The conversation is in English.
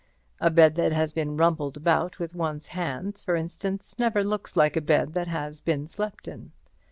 A bed that has been rumpled about with one's hands, for instance, never looks like a bed that has been slept in.